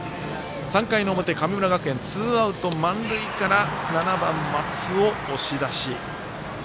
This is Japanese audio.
３回の表、神村学園ツーアウト、満塁から７番、松尾、押し出し。